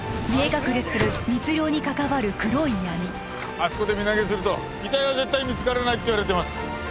見え隠れする密漁に関わる黒い闇あそこで身投げすると遺体は絶対見つからないっていわれてます